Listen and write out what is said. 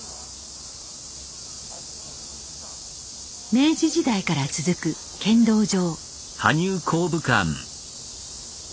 明治時代から続く剣道場。